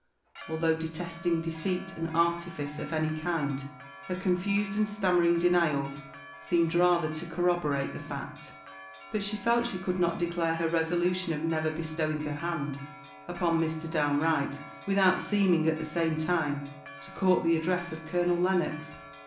Although detesting deceit and artifice of every kind, her confused and stammering denials seemed rather to corroborate the fact; but she felt that she could not declare her resolution of never bestowing her hand upon Mr. Downe Wright without seeming at the same time to court the addresss of Colonel Lennox.